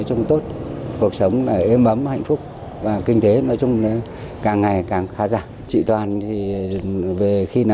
trong khi đó quá trình ghi lời khai của anh chính